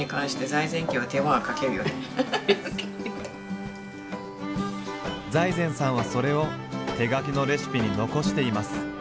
財前さんはそれを手書きのレシピに残しています。